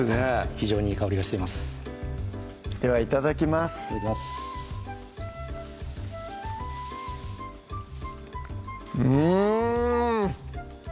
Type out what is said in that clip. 非常にいい香りがしていますではいただきますいただきますうん！